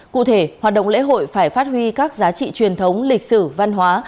cụ thể hoạt động lễ hội phải phát huy các giá trị truyền thống lịch sử văn hóa